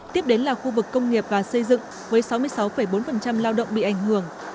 tiếp đến là khu vực công nghiệp và xây dựng với sáu mươi sáu bốn lao động bị ảnh hưởng